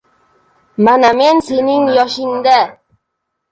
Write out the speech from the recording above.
“Mana men sening yoshingda...”